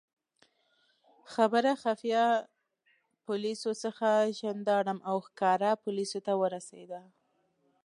خبره خفیه پولیسو څخه ژندارم او ښکاره پولیسو ته ورسېده.